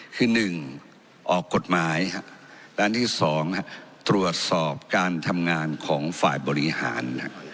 คือ๑ออกกฎหมายและอันที่๒ตรวจสอบการทำงานของฝ่ายบริหาร